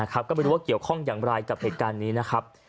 ก็ไม่รู้ว่าเกี่ยวข้องอย่างไรกับเหตุการณ์นี้นะครับ